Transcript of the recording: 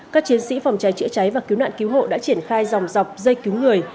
các chiến sĩ phòng cháy chữa cháy và cứu nạn cứu hộ đã triển khai dòng dọc dây cứu người